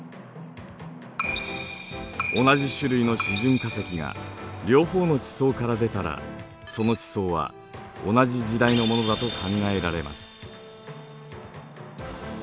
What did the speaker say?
同じ種類の示準化石が両方の地層から出たらその地層は同じ時代のものだと考えられます。